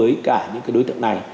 đối với cả những cái đối tượng này